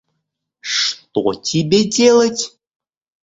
Что тебе делать?